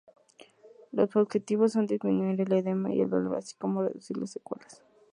Los objetivos son disminuir el edema y el dolor, así como reducir las secuelas.